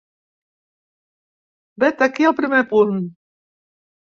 Vet aquí el primer punt.